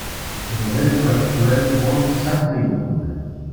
Le réseau actuel compte cinq lignes.